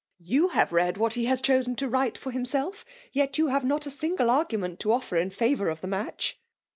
" You have read what he has chosen to write for himself; yet you have not a single argu ment to oflTer in favour of the match